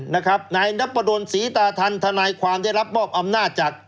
นายนับประโดนศรีตาธรรมธนายความได้รับบ้อมนาจจาก